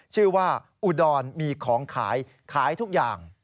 ชื่อว่าอุดรมีของขายขายทุกอย่าง